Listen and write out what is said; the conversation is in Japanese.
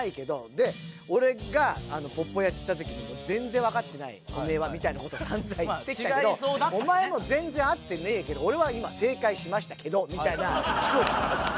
で俺が「『鉄道員』」って言った時に「全然わかってないてめえは」みたいな事散々言ってきたけどお前も全然合ってねえけど俺は今正解しましたけどみたいな気持ちになって。